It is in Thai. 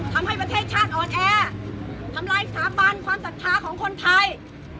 ทำให้ประเทศชาติอ่อนแอทำลายสถาบันความศรัทธาของคนไทย